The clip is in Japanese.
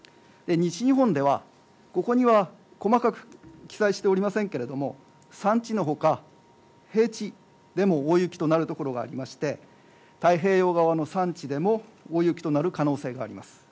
西日本ではここには細かく記載しておりませんけども、山地のほか、平地でも大雪となる所がありまして太平洋側の山地でも大雪となる可能性があります。